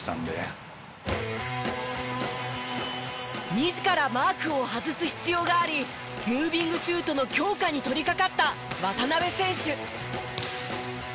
自らマークを外す必要がありムービングシュートの強化に取りかかった渡邊選手。